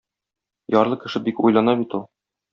Ярлы кеше бик уйлана бит ул.